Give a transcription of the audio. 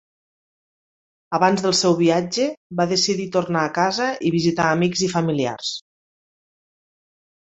Abans del seu viatge, va decidir tornar a casa i visitar amics i familiars.